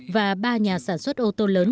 và ba nhà sản xuất ô tô lớn